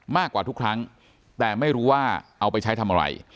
มากกว่าทุกครั้งแต่ไม่รู้ว่าเอาไปใช้ทำอะไร